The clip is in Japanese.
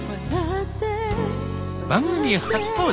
番組初登場！